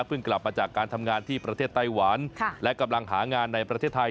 กลับมาจากการทำงานที่ประเทศไต้หวันและกำลังหางานในประเทศไทย